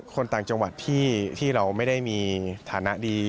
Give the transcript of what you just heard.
คนต่างจังหวัดที่เราไม่ได้มีฐานะดี